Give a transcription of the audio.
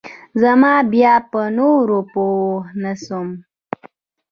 زه بيا په نورو پوه نسوم.